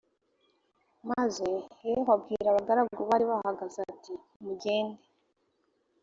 maze yehu abwira abagaragu bari bahagaze ati mugende